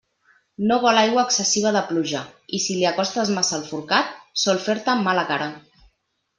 No vol aigua excessiva de pluja, i si li acostes massa el forcat, sol fer-te mala cara.